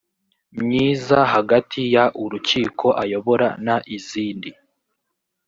myiza hagati y urukiko ayobora n izindi